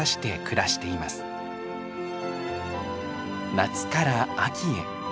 夏から秋へ。